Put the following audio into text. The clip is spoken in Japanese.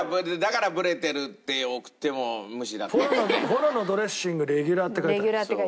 「フォロのドレッシングレギュラー」って書いてある。